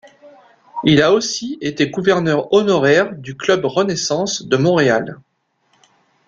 Il a aussi été gouverneur honoraire du Club Renaissance de Montréal.